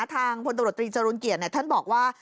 ทางพตจรุงเกียรติ์ท่านบอกว่า